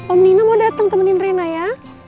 om nino mau datang temenin reina ya